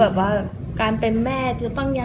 แม่บอกว่าสมัยนี้มันก็ต่างกัน